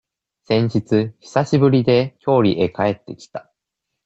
先日、久しぶりで、郷里へ帰ってきた。